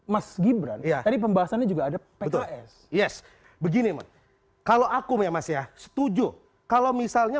mas gibran tadi pembahasannya juga ada pks yes begini mas kalau akum ya mas ya setuju kalau misalnya